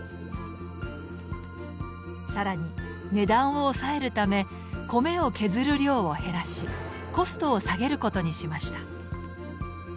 更に値段を抑えるため米を削る量を減らしコストを下げることにしました。